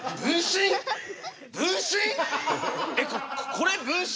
これ分身？